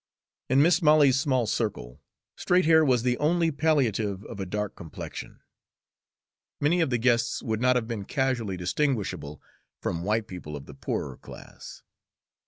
In Mis' Molly's small circle, straight hair was the only palliative of a dark complexion. Many of the guests would not have been casually distinguishable from white people of the poorer class.